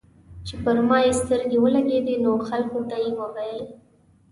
چې پر ما يې سترګې ولګېدې نو خلکو ته یې وويل.